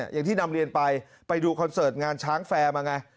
ไหนที่นำเล่นไปไปดูขอนเซิตงานช้างแฟร์มาไง